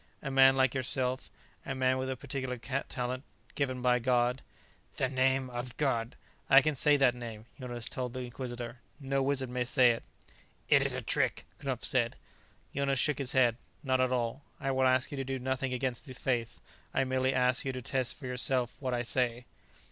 "A man like yourself, a man with a particular talent, given by God." "The name of God " "I can say that name," Jonas told the Inquisitor. "No wizard may say it." "It is a trick," Knupf said. Jonas shook his head. "Not at all. I will ask you to do nothing against the Faith; I will merely ask you to test for yourself what I say."